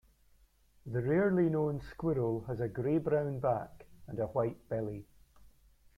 The rarely known squirrel has a grey-brown back and a white belly.